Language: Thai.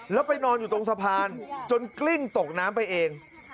แล้วไปนอนอยู่ตรงสะพานจนกลิ้งตกน้ำไปเอง